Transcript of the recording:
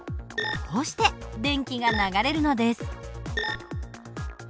こうして電気が流れるのです。